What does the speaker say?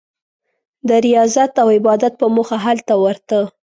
د ریاضت او عبادت په موخه هلته ورته.